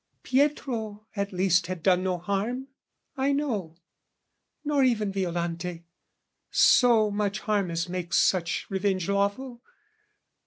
Pietro at least had done no harm, I know; Nor even Violante, so much harm as makes Such revenge lawful.